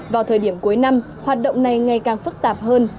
vào thời điểm cuối năm hoạt động này ngày càng phức tạp hơn